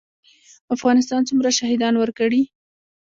افغانستان څومره شهیدان ورکړي؟